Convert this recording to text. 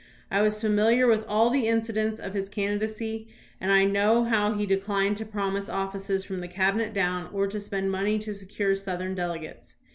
I was familiar with all the incidents of his candidacy, and I know how he declined to promise oflBces from the cabinet down or to spend money to secure Southern delegates.